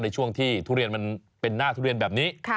ในช่วงที่ทุเรียนมันเป็นหน้าทุเรียนแบบนี้